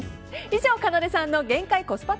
以上かなでさんの限界コスパ